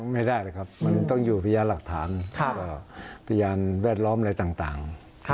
ไม่ได้เลยครับมันต้องอยู่พระยาศาสตร์หลักฐานพระยาศาสตร์แวดล้อมอะไรต่าง